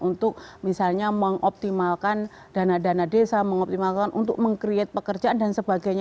untuk misalnya mengoptimalkan dana dana desa mengoptimalkan untuk meng create pekerjaan dan sebagainya